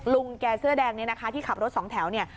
ลุงแกเสื้อแดงเนี่ยนะคะที่ขับรถสองแถวเนี่ย